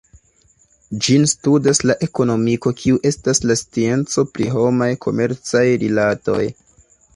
Ĝin studas la ekonomiko kiu estas la scienco pri homaj komercaj rilatoj.